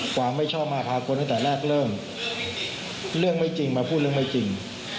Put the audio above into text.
ความไม่ชอบมาพากลตั้งแต่แรกเริ่มเรื่องเรื่องไม่จริงมาพูดเรื่องไม่จริง